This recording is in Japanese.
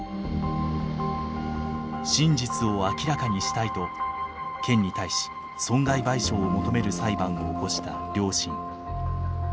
真実を明らかにしたいと県に対し損害賠償を求める裁判を起こした両親。